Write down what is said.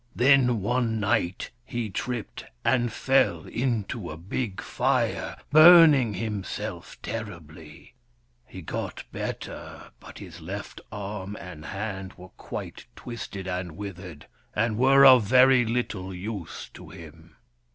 Then, one night, he tripped and fell into a big fire, burning himself terribly. He got better, but his left arm and hand were quite twisted and withered, and were of very little use to him.